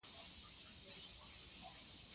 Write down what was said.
اميري چيري دئ؟